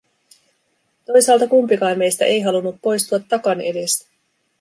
Toisaalta kumpikaan meistä ei halunnut poistua takan edestä.